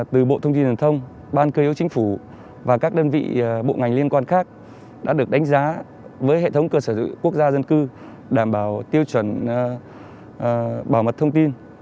từ bộ thông tin truyền thông ban cơ yếu chính phủ và các đơn vị bộ ngành liên quan khác đã được đánh giá với hệ thống cơ sở dữ quốc gia dân cư đảm bảo tiêu chuẩn bảo mật thông tin